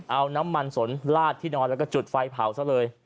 เอาน้ำมันสนลาดที่นอนแล้วก็จุดไฟเผาซะเลย